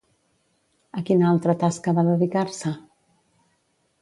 A quina altra tasca va dedicar-se?